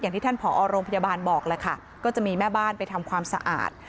ที่ท่านผอโรงพยาบาลบอกแหละค่ะก็จะมีแม่บ้านไปทำความสะอาด